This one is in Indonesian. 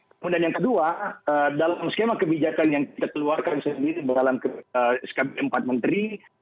kemudian yang kedua dalam skema kebijakan yang kita keluarkan sendiri dalam skb empat menteri